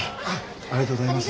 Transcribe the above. ありがとうございます。